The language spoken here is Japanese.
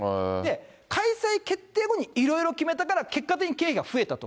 開催決定後に色々決めたから、結果的に経費が増えたと。